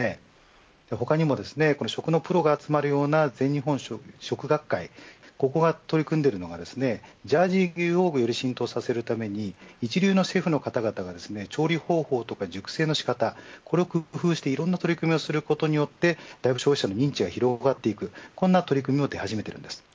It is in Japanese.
他にもですね、この食のプロが集まるような全日本食学会ではここが取り組んでいるのがジャージー牛をより浸透させるために一流のシェフの方々が調理方法や熟成の仕方これを工夫していろんな取り組みをすることによって消費者の認知が広がっていくこんな取り組みも出始めています。